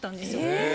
え！